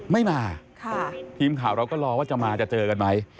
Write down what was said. ไม่มาทีมข่าวเราก็รอว่าจะมาจะเจอกันไหม